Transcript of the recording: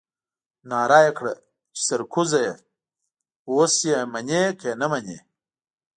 نعره يې کړه چې سرکوزيه اوس يې منې که نه منې.